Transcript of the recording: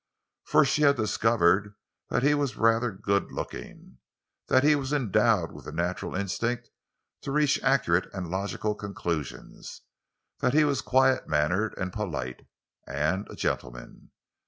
For she had discovered that he was rather good looking; that he was endowed with a natural instinct to reach accurate and logical conclusions; that he was quiet mannered and polite—and a gentleman.